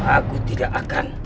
aku tidak akan